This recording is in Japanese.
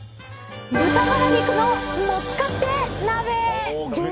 豚バラ肉のもつかして鍋。